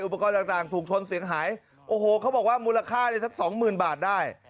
อุปกรณ์ต่างถูกชนเสียงหายโอ้โหเขาบอกว่ามูลค่าสัก๒๐๐๐๐บาทได้